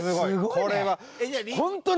これは。